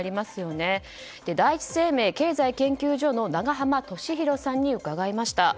第一生命経済研究所の永濱利廣さんに伺いました。